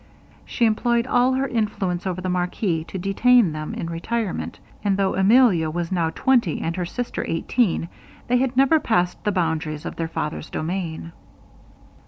She employed all her influence over the marquis to detain them in retirement; and, though Emilia was now twenty, and her sister eighteen, they had never passed the boundaries of their father's domains.